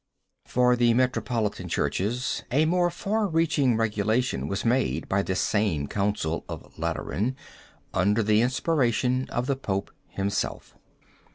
For the metropolitan churches a more far reaching regulation was made by this same council of Lateran under the inspiration of the Pope himself.